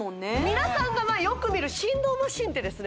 皆さんがよく見る振動マシンってですね